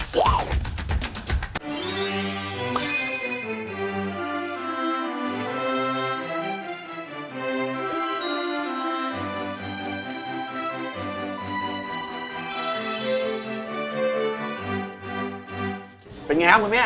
เป็นไงครับคุณแม่